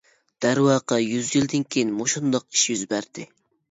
دەرۋەقە يۈز يىلدىن كىيىن مۇشۇنداق ئىش يۈز بەردى!